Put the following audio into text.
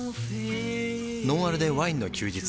「ノンアルでワインの休日」